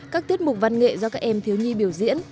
các tiết mục văn nghệ do các em thiếu nhi biểu diễn